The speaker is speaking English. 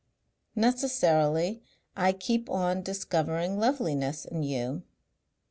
Necessarily I keep on discovering loveliness in you.